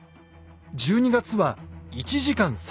１２月は１時間３０分。